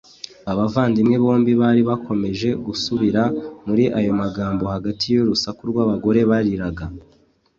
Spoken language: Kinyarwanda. Abavandimwe bombi bari bakomeje gusubira muri ayo magambo hagati y'urusaku rw'abagore bariraga.